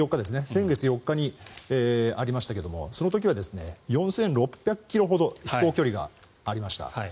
先月４日にありましたがその時は４６００ｋｍほど飛行距離がありました。